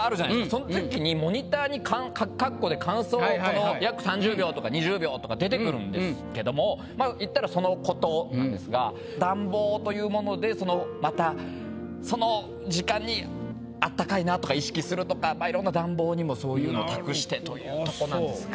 その時にモニターに括弧で「間奏約３０秒」とか「２０秒」とか出てくるんですけどもまあいったらその事なんですが暖房というものでそのまたその時間にあったかいなとか意識するとかいろんな「暖房」にもそういうのを託してというとこなんですが。